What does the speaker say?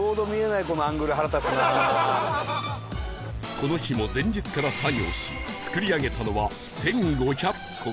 この日も前日から作業し作り上げたのは１５００個